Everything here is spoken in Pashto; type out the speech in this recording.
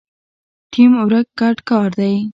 ټیم ورک ګډ کار دی